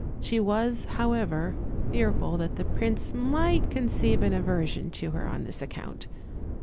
She was, however, fearful that the prince might conceive an aversion to her on this account.